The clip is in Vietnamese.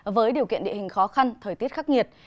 với điều kiện địa hình khó khăn thời tiết khắc nghiệt